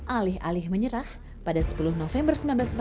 alih alih menyerah pada sepuluh november seribu sembilan ratus empat puluh